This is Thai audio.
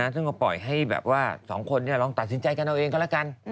ซึ่งก็ปล่อยให้แบบว่า๒คนลองตัดสินใจกันเอาเองก็แล้วกัน